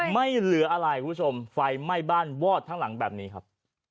ไม่เหลืออะไรคุณผู้ชมไฟไหม้บ้านวอดทั้งหลังแบบนี้ครับ